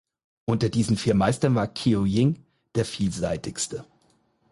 Unter diesen vier Meistern war Qiu Ying der vielseitigste.